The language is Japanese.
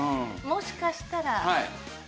もしかしたら。